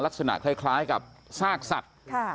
ลักษณะคล้ายกับซากสัตว์